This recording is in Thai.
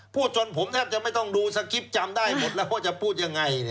จนผมแทบจะไม่ต้องดูสคริปต์จำได้หมดแล้วว่าจะพูดยังไง